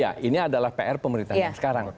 ya ini adalah pr pemerintah yang sekarang